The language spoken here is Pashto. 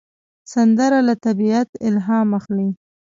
سندره له طبیعت الهام اخلي